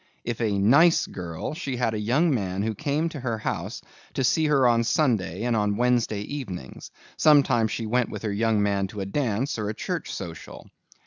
If a nice girl, she had a young man who came to her house to see her on Sunday and on Wednesday evenings. Sometimes she went with her young man to a dance or a church social.